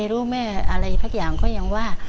รู้แม่อะไรสักอย่างก็ยังว่า